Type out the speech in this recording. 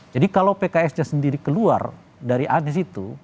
jadi kalau pksnya sendiri keluar dari anies itu